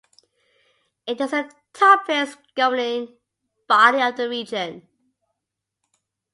It is the toppest governing body of the region.